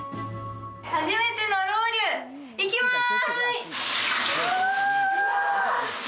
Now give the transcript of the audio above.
初めてのロウリュ、いきます！